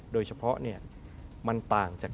โดยเฉพาะเนี่ยมันต่างจาก